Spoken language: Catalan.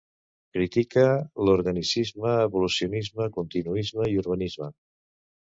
Critica l'organicisme, evolucionisme, continuisme i urbanisme.